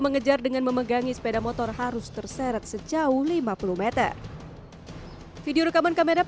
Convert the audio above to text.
mengejar dengan memegangi sepeda motor harus terseret sejauh lima puluh m video rekaman kamera